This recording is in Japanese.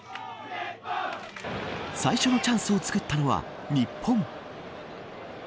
最初のチャンスをつくったのは日本。